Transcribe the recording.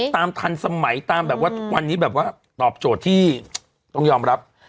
ตามทันสมัยตามทุกวันนี้ที่ต้องยอมรับ